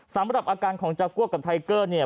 สำหรับอาการของจากัวกับไทเกอร์เนี่ย